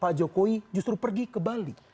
pak jokowi justru pergi ke bali